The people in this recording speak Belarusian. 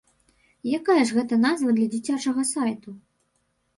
Якая ж гэта назва для дзіцячага сайту?